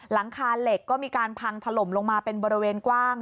หลังคาเหล็กก็มีการพังถล่มลงมาเป็นบริเวณกว้าง